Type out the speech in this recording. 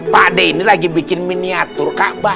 pak d ini lagi bikin miniatur kabah